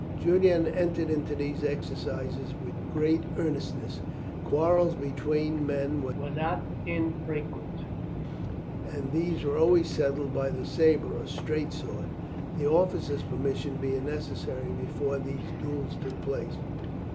Julian entered into these exercises with great earnestness. Quarrels between the men were not infrequent, and these were always settled by the sabre or straight sword, the officers' permission being necessary before these duels took place.